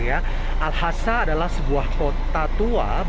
al hasa adalah sebuah kota tua